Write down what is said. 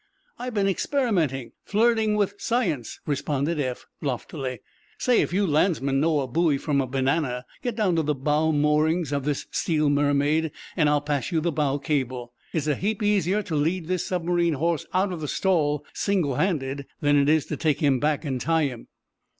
"I've been experimenting—flirting with science," responded Eph, loftily. "Say, if you landsmen know a buoy from a banana, get down to the bow moorings of this steel mermaid, and I'll pass you the bow cable. It's a heap easier to lead this submarine horse out of the stall, single handed, than it is to take him back and tie him."